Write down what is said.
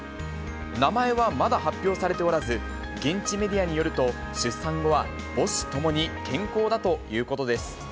名前はまだ発表されておらず、現地メディアによると、出産後は母子ともに健康だということです。